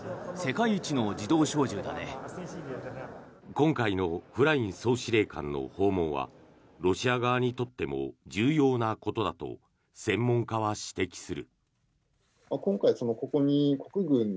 今回のフライン総司令官の訪問はロシア側にとっても重要なことだと専門家は指摘する。